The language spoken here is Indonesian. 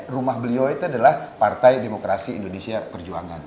rumah beliau itu adalah partai demokrasi indonesia perjuangan